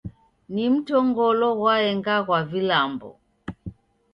Ni mtongololo ghwaenga ghwa vilambo.